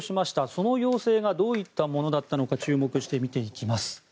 その要請がどういったものだったのか注目して見ていきます。